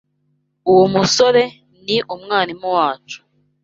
Uwo musore ni umwarimu wacu.